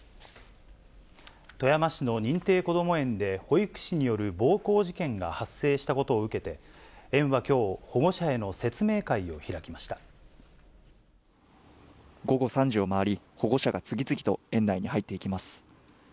富山市の認定こども園で、保育士による暴行事件が発生したことを受けて、園はきょう、午後３時を回り、保護者が次々と園内に入っていきます。